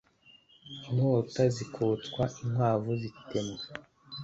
Inkoko zikotswa, inkwavu zitemwa